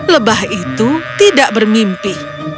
lebah itu tidak bermimpi